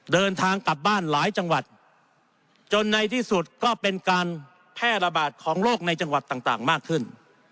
เดินทางกลับบ้านหลายจังหวัดจนในที่สุดก็เป็นการแพร่ระบาดของโรคในจังหวัดต่างมากขึ้น